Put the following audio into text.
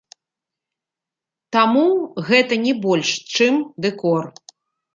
Таму, гэта не больш, чым дэкор.